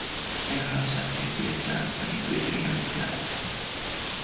I had such a great time playing Julian Crane.